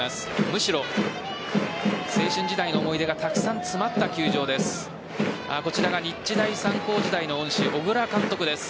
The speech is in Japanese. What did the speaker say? むしろ青春時代の思い出がたくさん詰まった球場です。